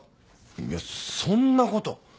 いやそんなこと。